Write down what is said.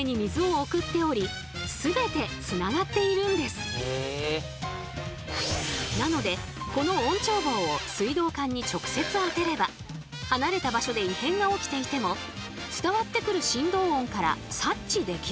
そうそもそも水道はなのでこの音聴棒を水道管に直接あてれば離れた場所で異変が起きていても伝わってくる振動音から察知できるんだとか。